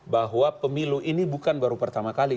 bahwa pemilu ini bukan baru pertama kali